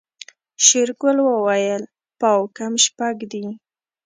شېرګل وويل پاو کم شپږ دي.